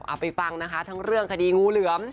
เอาไปฟังนะคะทั้งเรื่องคดีงูเหลือม